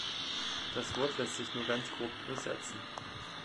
Das Wort lässt sich nur ganz grob übersetzen.